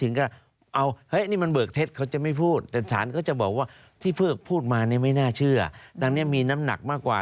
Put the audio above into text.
พยานของหมู่สารของอันนี้เบิกความไม่เหนาเชื่อถือน้ำหนังไม่มี